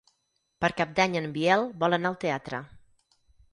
Per Cap d'Any en Biel vol anar al teatre.